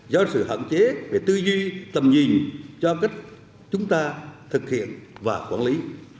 do sự hạn chế về tư duy tầm nhìn cho cách chúng ta thực hiện và quản lý